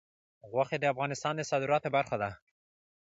غوښې د افغانستان د صادراتو برخه ده.